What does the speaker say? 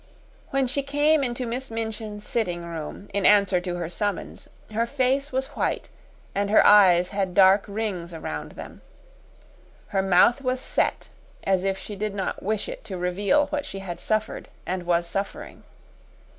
When she came into Miss Minchin's sitting room in answer to her summons, her face was white and her eyes had dark rings around them. Her mouth was set as if she did not wish it to reveal what she had suffered and was suffering.